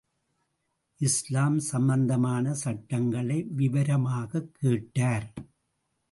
இஸ்லாம் சம்பந்தமான சட்டங்களை விவரமாகக் கேட்டார்.